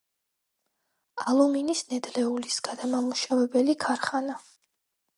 ალუმინის ნედლეულის გადამამუშავებელი ქარხანა.